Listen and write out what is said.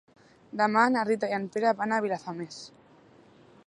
Demà na Rita i en Pere van a Vilafamés.